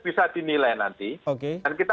bisa dinilai nanti dan kita